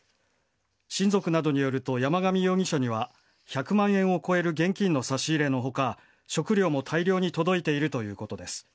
親族などによると、山上容疑者には１００万円を超える現金の差し入れのほか、食料も大量に届いているということです。